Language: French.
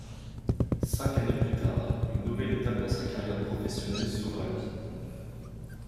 Cinq années plus tard, une nouvelle étape dans sa carrière professionnelle s’ouvre à lui.